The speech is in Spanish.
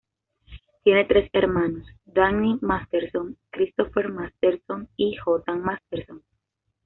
Tiene tres hermanos: Danny Masterson, Christopher Masterson y Jordan Masterson.